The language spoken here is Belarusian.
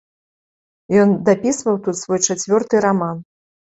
Ён дапісваў тут свой чацвёрты раман.